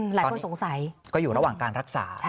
หลายคนสงสัยก็อยู่ระหว่างการรักษา